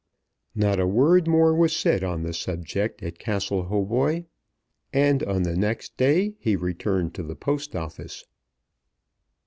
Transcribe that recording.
Not a word more was said on the subject at Castle Hautboy, and on the next day he returned to the Post Office.